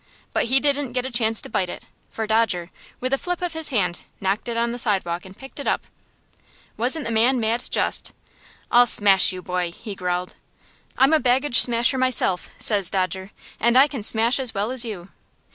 But he didn't get a chance to bite it, for Dodger, with a flip of his hand, knocked it on the sidewalk, and picked it up. "Wasn't the man mad just?" "'I'll smash you, boy,' he growled. "'I'm a baggage smasher myself,' says Dodger, 'and I can smash as well as you.'